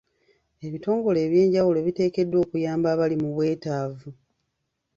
Ebitongole ebyenjawulo biteekeddwa okuyamba abali mu bwetaavu.